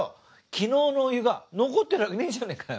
昨日のお湯が残ってるわけねえじゃねえかよ。